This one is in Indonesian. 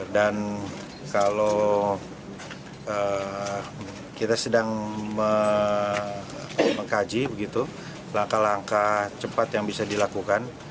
dan kalau kita sedang mengkaji langkah langkah cepat yang bisa dilakukan